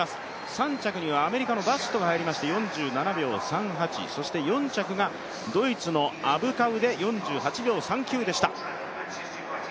３着にはアメリカのバシットが入りまして４７秒３８、そして４着がドイツのアブアクで４８秒３９でした。